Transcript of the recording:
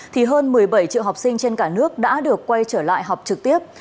thì hơn một mươi bảy triệu học sinh trên cả nước đã được quay trở lại học trực tiếp